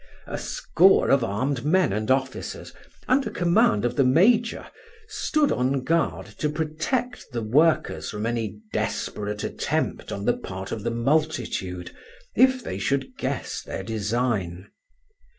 A score of armed men and officers, under command of the major, stood on guard to protect the workers from any desperate attempt on the part of the multitude if they should guess their design.